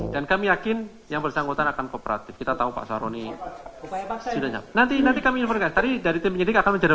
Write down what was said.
dan kami yakin yang bersangkutan akan kooperatif kita tahu pak soeroni sudah nyampe